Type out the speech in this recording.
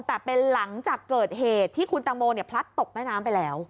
แต่เป็นหลังจากเกิดเหตุที่คุณตังโมพลัดตกแม่น้ำไปแล้ว